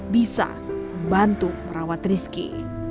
bisa membantu merawat rizky